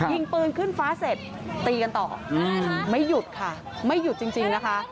ยิงปืนขึ้นฟ้าเสร็จตีกันต่อไม่หยุดค่ะไม่หยุดจริงนะคะ